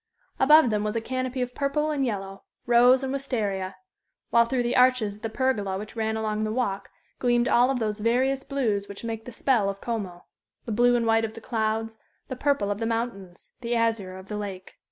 Above them was a canopy of purple and yellow rose and wistaria; while through the arches of the pergola which ran along the walk gleamed all those various blues which make the spell of Como the blue and white of the clouds, the purple of the mountains, the azure of the lake.